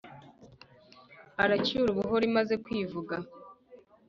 aracyura ubuhoro imaze kwivuga.